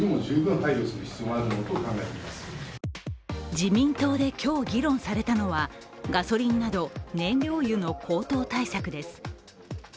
自民党で今日、議論されたのはガソリンなど燃料油の高騰対策です。